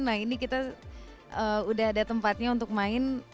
nah ini kita udah ada tempatnya untuk main